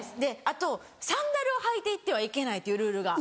あとサンダルを履いて行ってはいけないというルールが。